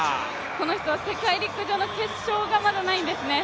この人は世界陸上の決勝がまだないんですね。